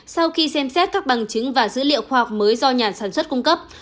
sau khi xem xét các bằng chứng và dữ liệu khoa học mới do nhà sản xuất cung cấp